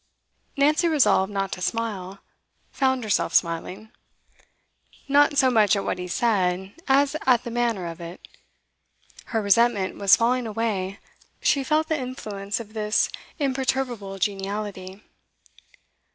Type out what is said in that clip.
Nancy, resolved not to smile, found herself smiling. Not so much at what he said, as at the manner of it. Her resentment was falling away; she felt the influence of this imperturbable geniality.